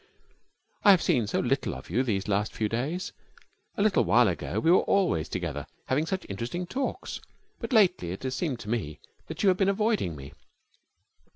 'I have seen so little of you these last few days. A little while ago we were always together, having such interesting talks. But lately it has seemed to me that you have been avoiding me.'